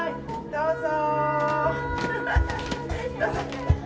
どうぞ。